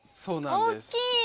大っきい！